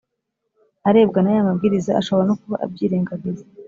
Arebwa n’aya mabwiriza ashobora no kuba abyirengagiza